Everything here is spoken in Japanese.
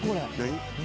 何？